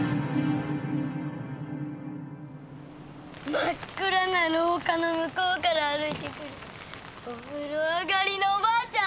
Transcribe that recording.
真っ暗なろうかの向こうから歩いてくるおふろ上がりのおばあちゃん。